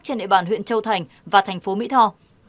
trên địa bàn huyện châu thành và thành phố mỹ tho